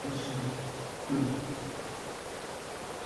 صدور فوقهن حقاق عاج